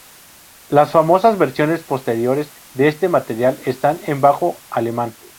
Las famosas versiones posteriores de este material están en bajo alemán.